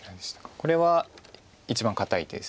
これは一番堅い手です。